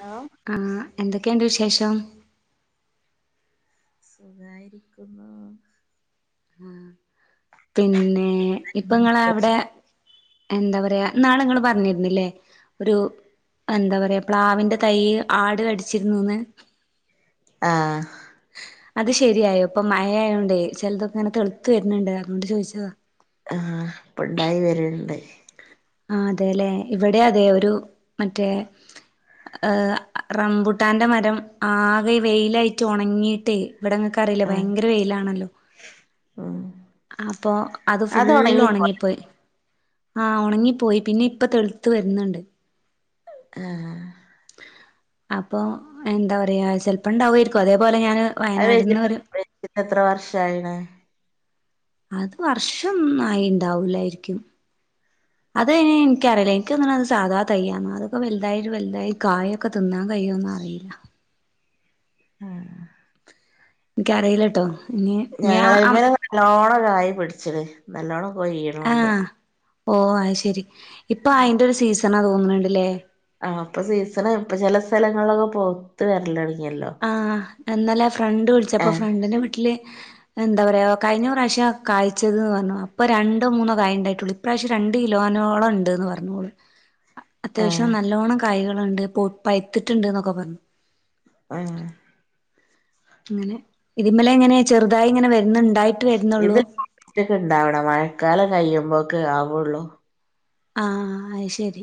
Hello ആഹ് എന്തൊക്കെയുണ്ട് വിശേഷം സുഖായിരിക്കുന്നു ആഹ് പിന്നെ ഇപ്പൊ നിങ്ങള് എവിടെ എന്താ പറയാ ഇന്നാള് ങ്ങള് പറഞ്ഞിരുന്നില്ലേ ഒരു എന്താ പറയാ പ്ലാവിന്റെ തൈ ആട് കടിച്ചിരുന്നൂന്ന് ആഹ് അത് ശരിയായോ ഇപ്പ മഴയായോണ്ടേ ചെലതൊക്കെ അങ്ങനെ തെളുത്ത് വരുന്നുണ്ട് അതുകൊണ്ട് ചോദിച്ചതാ ആഹ് ഇപ്പം ഇണ്ടായി വര്ണ്ട് ആഹ് അതേല്ലെ ഇവിടെ അതെ ഒരു മറ്റേ എഹ് റംബൂട്ടാന്റെ മരം ആകെ വെയിലായിട്ട് ഒണങ്ങിയിട്ട് ഇവിടെ ഇങ്ങക്കറീലേ ഭയങ്കര വെയിലാണല്ലോ? ആഹ് അപ്പൊ അത് ഫുള്ള് ഒണങ്ങിപ്പോയി ആഹ് ഒണങ്ങിപ്പോയി പിന്നെ ഇപ്പ തെളുത്ത് വരുന്നുണ്ട് ആഹ് അപ്പൊ എന്താ പറയാ ചെലപ്പം ഇണ്ടാവുമായിരിക്കും അതേപോലെ ഞാന് അത് വയനാട്ന്ന് വെച്ചിട്ട് ഒരു വെച്ചിട്ട് എത്ര വർഷായിണ്? അത് വർഷം ന്നായി ഇണ്ടാവൂലായിരിക്കും അത് എനി എനിക്കറിയില്ല എനിക്ക് തോന്ന്ന്നെ അത് സാധാ തയ്യാന്നാ അതൊക്കെ വല്തായിട്ട വെല്ലതായി കായ ഒക്കെ തിന്നാൻ കഴിയോന്ന അറിയില്ല ആഹ് ഇൻക്ക അറിയില്ലട്ടോ ഞങ്ങളേമ്മേ നല്ലോണം കായി പിടിച്ചിണ് നല്ലോണം കൊയ്യുണുംണ്ട് ഓ അയ് ശരി ഇപ്പൊ അയിന്റെ ഒരു സീസണാ തോന്നുന്നുണ്ട്ല്ലേ? ആഹ് അപ്പൊ സീസണാ ഇപ്പ ചെല സ്ഥലങ്ങളിലൊക്കെ പൊവ്ത്ത് വരലൊടിങ്ങിയല്ലോ? ആഹ് ഇന്നലെ ഫ്രണ്ട് വിളിച്ചപ്പൊ ഫ്രണ്ടിന്റെ വീട്ടില് എന്താ പറയ കഴിഞ്ഞ പ്രാശ്യം കായിച്ചത് ന്ന് പറഞ്ഞു അപ്പോ രണ്ടോ മൂന്നോ കായ് ഇണ്ടായിട്ടൊള്ളു ഇപ്രാവിശ്യം രണ്ട് കിലോനോളം ഉണ്ട്ന്ന് പറഞ്ഞോള് ആഹ് അത്യാവിശ്യം നല്ലോണ്ണം കായികളുണ്ട് പഴ്ത്തിട്ടുണ്ട് എന്നൊക്കെ പറഞ്ഞു ആഹ് അങ്ങനെ ഇതിമ്മലെങ്ങനെ ചെറുതായി ഇങ്ങനെ വരുന്നുണ്ടായിട്ട് വരുന്നുള്ളൂ റ്റൊക്കെ ഇണ്ടാവണം മഴക്കാലം കഴിയുമ്പോക്കെ ആവൊള്ളൂ ആഹ് അയ് ശരി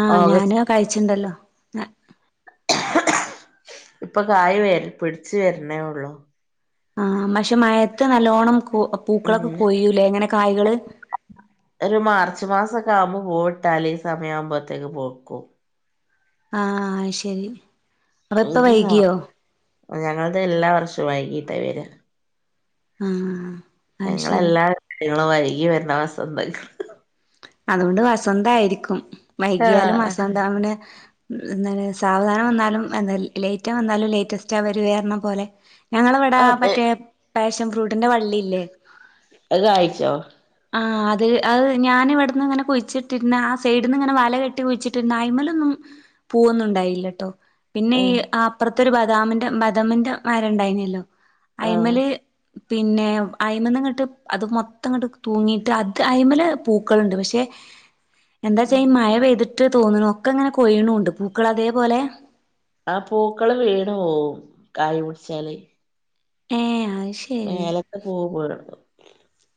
ആഹ് ഓഗസ്റ്റ് ഞാനും അഹ് കഴിച്ചിണ്ടല്ലോ ഇപ്പൊ കായി പിടിച്ച് വര്ണേ ഒള്ളൂ ആഹ് പക്ഷെ മഴത്ത് നല്ലോണ്ണം പൂക്കളൊക്കെ ഉം കൊയൂലേ ഇങ്ങനെ കായ്കള്? ഒരു മാർച്ച് മാസൊക്കെ ആവുമ്പോ പൂവ് ഇട്ടാൽ ഈ സമയവുമ്പോത്തേക്ക് പൊവ്ക്കും ആഹ് അഹ് ശരി അപ്പ ഇപ്പ ഇത് സ വൈകിയോ ഞങ്ങൾതെ എല്ലാ വർഷവും വൈകിയിട്ട വെര ആഹ് അത് ശരി ഞങ്ങളെല്ലാ കാര്യങ്ങളും വൈകി വര്ണ വസന്തെങ്ങള അതുകൊണ്ട് വസന്തായിരിക്കും വൈകിയാലും ആഹ് വസന്ത അവിടെ എന്താണ് സാവധാനം വന്നാലും എന്ത ലേറ്റാ വന്നാലും ലേറ്റസ്റ്റാ വരുവാ പറഞ്ഞ പോലെ ഞങ്ങളവെട ആ അതെ മറ്റേ പാഷൻ ഫ്രൂട്ടിന്റെ വള്ളിയില്ലേ? അത് കായ്ച്ചോ? ആഹ് അത് അഹ് ഞാന് ഇവട്ന്ന് ഇങ്ങനെ കൊഴിച്ചിട്ടിര്ന്ന ആ സൈഡിന്ന് ഇങ്ങനെ വല കെട്ടി കുഴിച്ചിട്ടിണ്ട് അയ്മലൊന്നും പൂവൊന്നും ഉണ്ടായില്ലട്ടോ? പിന്നെ ഈ ഉം ആ അപ്പുറത്തൊരു ബദാമിന്റെ ബദാമിന്റെ മര ഇണ്ടായിനല്ലോ ആഹ് അയിമല് പിന്നെ അയിമന്ന് ഇങ്ങട്ട് അത് മൊത്തം ഇങ്ങട്ട് തൂങ്ങിയിട്ട് അത് അയ്മല പൂക്കള്ണ്ട് പക്ഷെ എന്താ ഉം ചെയ്യാ മഴ പെയ്തിട്ട് ട്ട് തോന്നുന്നു ഒക്കെ ഇങ്ങനെ കൊയ്യ്ണുണ്ട് പൂക്കള് അതേപോലെ ആ പൂക്കള് വീണ് പോവും കായി പുടിച്ചാല് ഏഹേ അഹ് ശെരി മേലത്ത് പൂവ് പോരു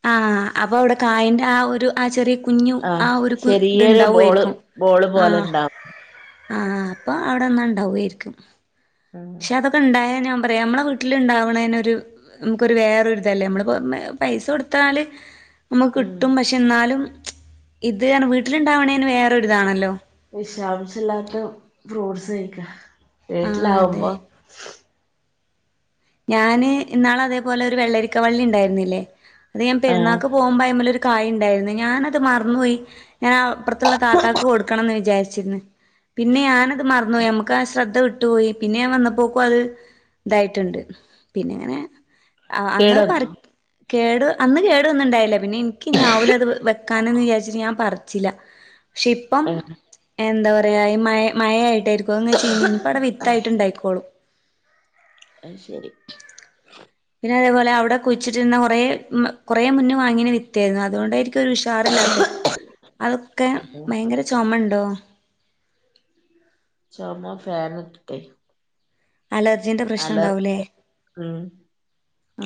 ആഹ് അപ്പൊ അവിടെ കായന്റെ ആഹ് ഒരു ചെറിയ കുഞ്ഞു ആഹ് ഒരു ചെറിയൊരു ബോള് ഇത്ണ്ടാവുമായിരിക്കും ബോള് ആഹ് പോലെണ്ടാവും. ആഹ് പ്പൊ അവിടെന്ന ഉണ്ടാവായിരിക്കും ഉം അതൊണ്ടായ ഞാൻ പറയാ നമ്മെ വീട്ടിലുണ്ടാവുന്നതിനൊരു നമുക്കൊരു വേറൊരിതല്ലേ നമ്മള് പൈസ കൊടുത്താൽ നമുക്ക് ഉം കിട്ടും പക്ഷെ എന്നാലും ഇത വീട്ടിലുണ്ടാവണന് വേറൊരിതാണല്ലോ വിഷാംശല്ലാത്ത ഫ്രൂട്ട്സ് കഴിക്ക ആഹ് വീട്ടിലാവുമ്പോ അതെ ഞാന് ഇന്നാള് അതേപോലെ ഒരു വെള്ളരിക്ക വള്ളി ഉണ്ടായിരുന്നില്ലേ അത് ഞാൻ ആഹ് പെരുന്നാൾക്ക് പോകുമ്പോ അയിമ്മലോ - കായിണ്ടായിരുന്നു ഞാനത് മറന്നുപോയി ഞാൻ ആഹ് അപ്പുറത്തുള്ള താത്താക്കക്ക് കൊടുക്കണം ന്ന് വിചാരിച്ചിരുന്നുന്ന് പിന്നെ ഞാനത് മറന് പോയി നമക്ക് ആ ശ്രദ്ധ- ധ വിട്ടുപോയി പിന്നെ വന്നപ്പോക്കും അത് ഇതായിട്ടുണ്ട് പിന്നെങ്ങനെ ആഹ് അന്ന് പറ കേടന്നോ? കേട് അന്ന് കേടു വന്നണ്ടായില്ലേ പിന്നെ എനിക്ക് ഇനി ആവുല ത് വെക്കാന്ന് വിചാരിച്ചിട്ട് ഞാൻ പറിച്ചില്ല പക്ഷെ ഇപ്പം ആഹ് എന്താ പറയാ ഈ മയ ആയിട്ടാരിക്കോ എന്ന് ചിഞ് ഇപ്പൊ അവിടെ വിത്തായിട്ട് ഉണ്ടായിക്കോളൂ ആഹ് ശരി പിന്നെ അതേപോലെ അവിടെ കുഴിച്ചിട്ടിരുന്ന കുറേ കുറേ മുന്നേ വാങ്ങി വിത്തിയായിരുന്നു അതുകൊണ്ടായിരിക്കും ഒരു ഷാറില്ലാത്ത അതൊക്കെ ഭയങ്കര ചുമ ഉണ്ടോ ചുമ ഫേൻ ഇട്ടിട്ട് അലർജീന്റെ പ്രശ്നം ഉണ്ടാവൂല്ലേ ഉം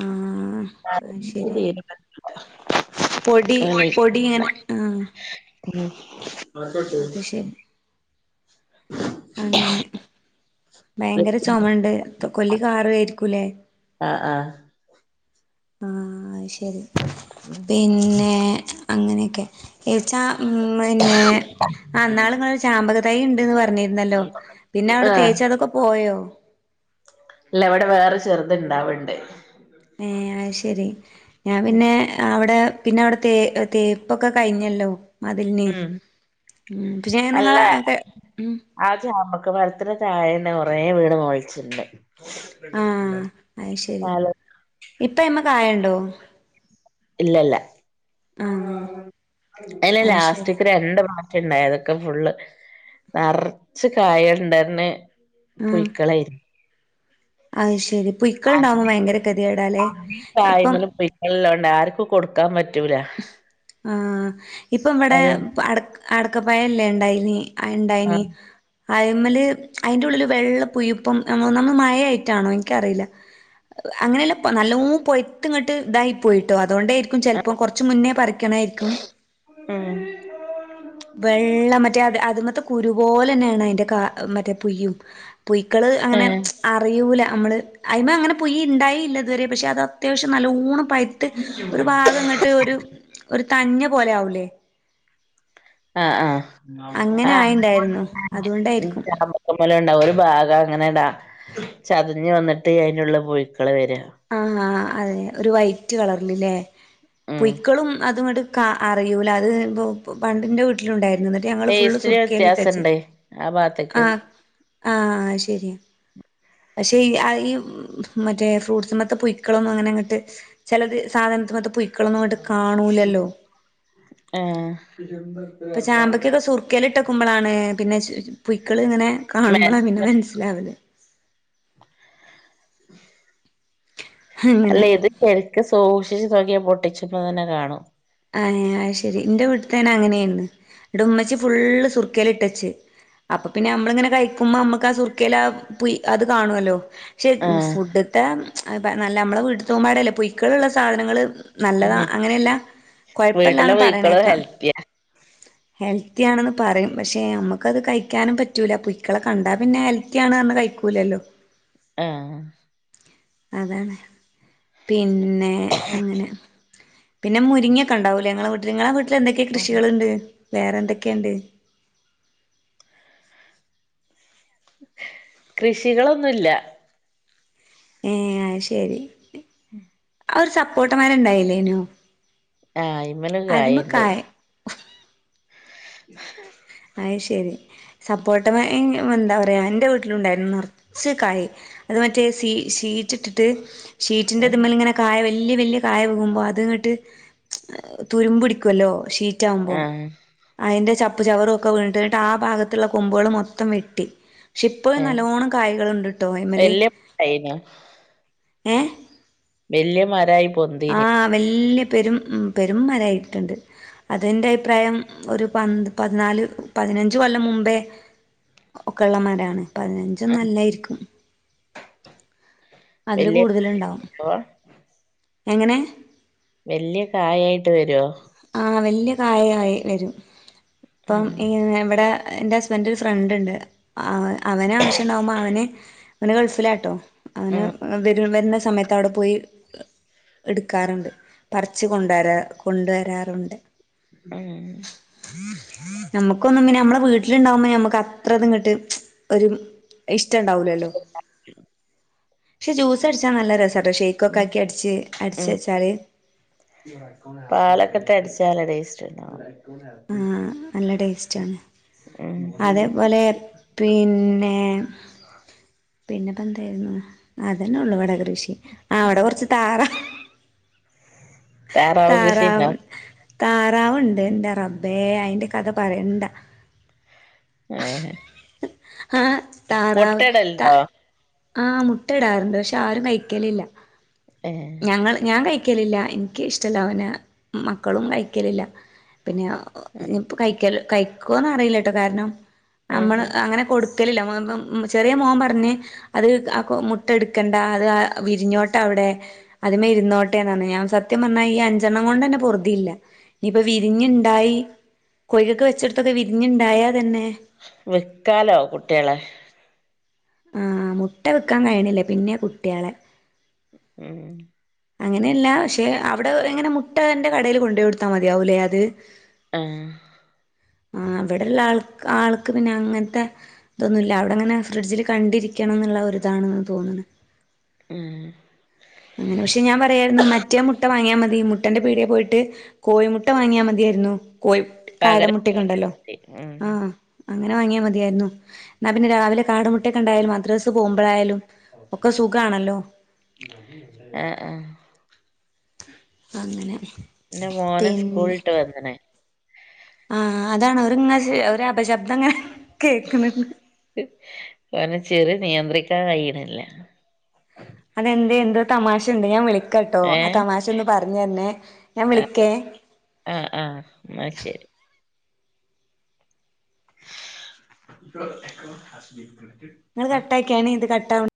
ആഹ് അത് ശരി പൊടി പൊടി ഇങ്ങനെ ആഹ് അത് [inaudible] ശരി അങ്ങനെ ഭയങ്കര ചുമണ്ട് കൊല്ലി കാറ യിരിക്കൂലേ ആഹ് ആഹ് ആഹ് ശരി ഉം. പിന്നെ അങ്ങനെയൊക്കെ ച്ചാ പിന്നെ ന്നാള് ങ്ങളരു ചാമ്പക്ക തൈ ഉണ്ട്ന്ന് പറ പറഞ്ഞിരുന്നല്ലോ പിന്നെ അവിടെ ആ തേച്ചത് അതൊക്കെ പോയോ ഇല്ല ഇവിടെ വേറെ ചെറുത് ഇണ്ടാവുണ്ട് ഏ ഹ് അത് ശരി ഞാൻ ഉം പിന്നെ അവിടെ പിന്നെ അവിടെ തേ തേ പ്പൊക്കെ കഴിഞ്ഞല്ലോ മതിലിന് ഉം. പക്ഷെ നിങ്ങളെ ആഹ് ചാബക്ക മരത്തിന്റെ താഴേന്നെ ഒറെ വീട്മോളിച്ചിണ്ട് ആഹ് അത് ശരി ഹലോ ഇപ്പ ഐമ്മ കായണ്ടോ ഇല്ലല്ല ആഹ് അല്ല അത് ശരി ലാസ്റ്റിക് രണ്ട് ഉണ്ടായതൊക്കെ ഫുള്ള് നിറച്ച് കായുണ്ടന്നെ പുഴിക്കളായിരുന്നു അഹ് ശെരി പുഴിക്കൾ ഉണ്ടാവുമ്പോ ഭയങ്കര കതിടല്ലേ ഇപ്പം ല്ലോണ്ട് ആർക്കും കൊടുക്കാൻ പറ്റൂല ആഹ് ഇപ്പം ഇവിടെ അത് അട അടക്കപ്പായല്ലേ ഉണ്ടായിന് ആ ഉണ്ടായിന് അയ്മല് അതിന്റെ ഉള്ളില് വെള്ളപുയുപ്പം ഒന്നാമത് മഴ ആയിട്ടാണോ എനിക്കറിയില്ല അങ്ങനെല്ല നല്ലോ പൊയത്ത് ഇങ്ങോട്ട് ഇതായി പോയിട്ടോ അതുകൊണ്ടായിരിക്കു ആ ചിലപ്പോ പ്പ കുറച് മുന്നേ പറിക്കണായിരിക്കും ആഹ് വെള്ളം മറ്റേ അത് അത് മത കുരുപോലെ തന്നെയാണ് അതിന്റെ കാ മറ്റേ പൂഴും പു യ്ക്കള് അങ്ങനെ ഏഹ് അറിയൂല നമ്മള് അയിമ്മ അങ്ങനെ പുഴി ഉണ്ടായില്ല ഇതുവരെ പക്ഷേ അത് അത്യാവശ്യം നല്ലോണം പൈ ട്ട് ഒരു ഭാഗംങ്ങോട്ട് ഒരു ഒരു തഞ്ഞ പോലെ ആകൂല്ലേ ആഹ അങ്ങനെ ആയിണ്ടായിരുന്നു അതുകൊണ്ടായിരിക്കും [unintelligible] ക്കല ഉണ്ടാവ ഒരു ഭാഗം അങ്ങനെ ഇടാ ചതഞ് വന്നിട്ട് അയിന് ള്ള പുഴു ക്കള് വര ആഹ് ആഹ് അതെ ഒരു വൈറ്റ് കളറൽല്ലേ ഉം പൂയ് ക്കളും അതുംങ്ങോട്ട് അറിയൂല അത് ഇ പണ്ടിന്റെ വീട്ടിലുണ്ടായിരുന്നുട്ട് ന്നിട്ട് ഞങ്ങള് ഫുള്ള് ടേസ്റ്റില് സുർക്കൽട്ടച്ച് വ്യത്യാസണ്ട് ആ ആ ഭാഗത്തേക്ക് ആഹ് അയ് ശരിയ പക്ഷെ ഈ മറ്റേ ഫ്രൂട്ട്സ് മ ത്ത പുഴി ക്കളും അങ്ങനെ ങ്ങോട്ട് ചിലത് സാധനത്തി ഏഹ് ഇപ്പൊ ചാമ്പക്കൊക്കെ സുർക്കൽ ഇട്ടക്കുമ്പോളാണ് പിന്നെ പുയി ക്കള് ഇങ്ങനെ കാണുമ്പോ ള്ള പിന്നെ മനസ്സിലാവല് ! ! അല്ലെ അങ്ങനെ ഇത് ശരിക്ക് സൂക്ഷിച്ച് നോക്കി യാ പൊട്ടിച്പ്പോ തന്നെ കാണും ആഹ് ശെരി എന്റെ വീട്ടത്തേന്നെ അങ്ങനെയന്ന് ഇടെ ഉമ്മച്ചി ഫുള്ള് സു സുർക്കൽ ഇട്ടച്ച് അപ്പൊ പിന്നെ നമ്മളിങ്ങനെ കഴിക്കുമ്പോ നമുക്ക് ആ സുർക്കേൽ അത് കാണുവല്ലോ ചെ ആഹ് ഫുഡത്തെ നല്ല നമ്മളെ വീടു തോമ്പാടല്ലേ പൊയ്ക്കളള്ള സാധനങ്ങൾ ഉം നല്ലതാ അങ്ങനെയല്ല വീട്ടിലെ കൊഴപ്പല്ലാന്ന് പുഴുക്കളും പറയണേക്കാം ഹെൽത്തിയാ ഹെൽത്തി ആണെന്ന് പറയും പക്ഷെ നമുക്കത് കഴിക്കാനും പറ്റൂല ളെ കണ്ടാ പിന്നെ ഹെൽത്തി ആണ് എന്ന് കഴിക്കൂലല്ലോ ആഹ് അതാണ് പിന്നെ അങ്ങനെ പിന്നെ മുരിങ്ങൊക്കെ ഉണ്ടാവുമല്ല ഞങ്ങളെ വീട്ടിൽ നിങ്ങളെ വീട്ടിൽ എന്തൊക്കെ കൃഷികളുണ്ട് വേറെന്തൊക്കെയുണ്ട് കൃഷികളൊന്നുല്ല ഏഹ് ആഹ് ശരി ഉം ആഹ് ഒരു സപ്പോർട്ട് മരം ഉണ്ടായില്ലേ ആഹ് അയ്മൽ ഒരു കായുണ്ട് അത് ശെരി സപ്പോട്ടമ്മ എന്താ പറയാ എന്റെ വീട്ടിലുണ്ടായിരുന്നു നിറച്ച് കായ് അത് മറ്റേ ഷീറ്റ് ഇട്ടിട്ട് ഷീറ്റിന്റെ ഇതുമേൽ ഇങ്ങനെ കായ വലിയ വലിയ കായ വുമ്പോ അത്ങ്ങോട്ട് തുരുമ്പ് പിടിക്കല്ലോ കറ്റാവുമ്പോം ആഹ് അതിന്റെ ചപ്പ് ചവറും ഒക്കെ വീ കിട്ട് ആ ഭാഗത്തുള്ള കൊമ്പുകൾ മൊത്തം വെട്ടി പക്ഷെ ഇപ്പോ ഏഹ് നല്ലോണം കായ്കൾണ്ട്ട്ടോ ഇമല് വല്യ കായിനോ ഏ വല്യമാരായി പൊന്തിന് വലിയ പെരും പെരുംമരായിട്ടുണ്ട് അതെന്റെ അഭിപ്രായം ഒരു പ പതിനാല് പതിനഞ്ച് കൊല്ലം മുമ്പേ ഒക്കെള്ളമരാണ് പതിനഞ്ചും ആഹ് നല്ലായിരിക്കും അതില് വല്യ കൂടുതല ഉണ്ടാവും പ്പ എങ്ങനെ വലിയ കായായിട്ട് വരുവോ ആഹ് വലിയ കായായി വരും ഇപ്പം ആഹ് ഈ ഇവിടെ എന്റെ ഹസ്ബന്റിന്റെ ഒരു ഫ്രണ്ട് ണ്ട് അവ അവനാവശ്യണ്ടാവുമ്പോ അവന് അവന് ഗൾഫിലാട്ടോ അവനു ആഹ് [unintelligible] രും വരുന്ന സമയത്ത് അവിടെ പോയി എടുക്കാനുണ്ട് പറിച്ച് കൊണ്ട് വരാ കൊണ്ട് വ രാറുണ്ട് ഉം നമ്മുക്കൊന്നും ഇങ്ങനെ നമ്മുടെ വീട്ടിലിണ്ടാവുമ്പോ നമ്മുക്ക് അത്രത് ഇങ്ങ്ട്ട് ഒരു ഇഷ്ടണ്ടാവൂലല്ലോ പക്ഷെ ജ്യൂസ് അടിച്ചാ നല്ല രസട്ടോ ഷേ ഉം ഇക്കൊക്കാക്കി അടിച്ച് അടിച്ച് വെച്ചാല് പാലൊക്കെ തരിച്ചാല ടേസ്റ്റ് ണ്ടാവാ ആഹ് നല്ല ടേസ്റ്റ് ആണ് ഉം അതേപോലെ പിന്നെ പിന്നെപ്പന്താരുന്നു അതന്നെ ഉള്ളൂ വടെ ടുത്ത് കൃഷി ആ അവടെ കുറച്ച് താറാ താറാവ് താറാവുണ്ട് ഇന്റെ റബ്ബേ അയിന്റെ കഥ പറയണ്ട ഏഹ് ആ താറാവ് ത മുട്ടടല്ണ്ടോ ആ മുട്ട ഇടാറുണ്ട് പക്ഷെ ആരും കഴിക്കലില്ല ഏ ഞങ്ങൾ ഞാൻ കഴിക്കലില്ല എനിക്ക് ഇഷ്ടല്ലവന മക്കളും കഴിക്കലില്ല പിന്നെ അ ഒ ഇപ്പൊ കഴിക്കൽ കഴിക്കോന്ന് അറിയില്ലട്ടോ കാരണം ഉം നമ്മള് ഉം അങ്ങനെ കൊടുക്കലില്ല [unintelligible] ചെറിയ മോൻ പറഞ്ഞ് അത് കാക്കോ മുട്ട ഇടുക്കണ്ട അത് വിരിഞ്ഞോട്ടവടെ അതിമ്മെ ഇരുന്നോട്ടേന്ന് പറഞ്ഞ ഞാൻ സത്യം പറഞ്ഞാ ഈ അഞ്ചെണ്ണം കൊണ്ടെന്നെ പൊറുതില്ല ഇനിപ്പ വിരിഞ്ഞുണ്ടായി കോഴിക്കക്ക് വെച്ചൊടുത്തത് വിരിഞ്ഞുണ്ടായാതന്നെ വിൽക്കാലോ കുട്ടേളെ ആ മുട്ട വിക്കാൻ കഴീണില്ലേ പിന്നെ കുട്ട്യേളെ ഉം അങ്ങനെല്ല പക്ഷെ അവിടെ ഒ എങ്ങനെ മുട്ട അവന്റെ കടയില് കൊണ്ടകൊടുത്താ മതിയാവൂലെ അത് ആഹ് ആ ഇവിടെള്ള ആൾക്ക് ആൾക്ക് പിന്നെ അങ്ങനത്തെ ഇതൊന്നൂല്ല അവിടെങ്ങനെ ഫ്രിഡ്ജില് കണ്ടിരിക്കണം ന്നുള്ള ഒരിതാണ്ന്ന് തോന്ന്ണ് ഉം അങ്ങനെ പക്ഷെ ഞാൻ പറയാരുന്നു മറ്റേ മുട്ട വാങ്ങിയാ മതി മുട്ടന്റെ പീട്യേ പോയിട്ട് കോയിമുട്ട വാങ്ങിയാ മതിയാരുന്നു കോയി പകരം കാടമുട്ടെക്കെ ഉണ്ടല്ലോ ഉം ആ അങ്ങനെ വാങ്ങിയാ മതിയാരുന്നു എന്നാ പിന്നെ രാവിലെ കാ ട്ടക്കെണ്ടായാലും മദ്രാസ് പോകുമ്പോഴായാലും ഒക്കെ സുഖാണല്ലോ ആ ആ അങ്ങനെ ഇന്റെ മോനെ സ്കൂളിട്ട് വന്ന്ണ് ആ അതാണ് അവരിങ്ങെശേ ഒരപശബ്ദങ്ങനെ കേക്ക്ണ് ണ്ട് കാരണം ചിരി നിയന്ത്രിക്കാൻ കഴിയിണില്ല അതെന്തേ എന്തോ തമാശുണ്ട് ഞാൻ വിളിക്കാട്ടോ ആ ഏ തമാശ ഒന്ന് പറഞ്ഞു തരണേ ഞാൻ ആ വിളിക്കേ ആ ആ ഇന്നാ ശരി സ് നിങ്ങള് കെട്ടയ്ക്കാണീ ഇത് കെട്ടാവ്